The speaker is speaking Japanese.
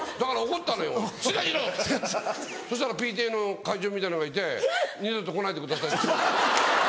そしたらＰＴＡの会長みたいのがいて「二度と来ないでください」って。